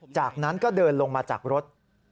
จากนั้นก็เดินลงมาจากรถ